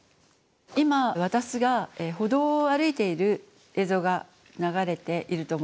今私が歩道を歩いている映像が流れていると思います。